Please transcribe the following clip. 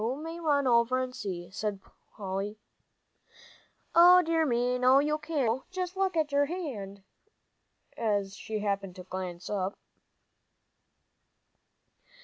"You may run over and see," said Polly. "O dear me, no, you can't, Joe, just look at your hand!" as she happened to glance up.